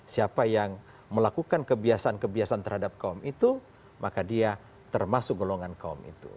siapa yang melakukan kebiasaan kebiasaan terhadap kaum itu maka dia termasuk golongan kaum itu